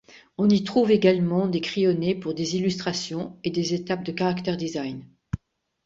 On y trouve également des crayonnés pour des illustrations, et des étapes de character-design.